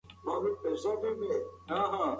ګلالۍ د ماښام د ډوډۍ لپاره تیاری نیوه.